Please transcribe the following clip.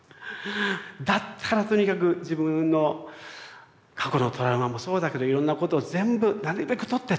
だったらとにかく自分の過去のトラウマもそうだけどいろんなことを全部なるべく取ってって。